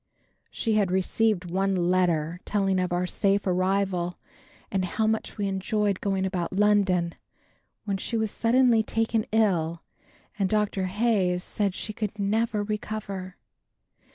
She had received one letter, telling of our safe arrival and how much we enjoyed going about London, when she was suddenly taken ill and Dr. Hayes said she could never recover.